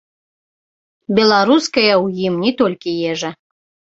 Беларуская ў ім не толькі ежа.